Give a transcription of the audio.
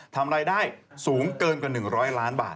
ทำรายได้สูงเกินกว่า๑๐๐ล้านบาท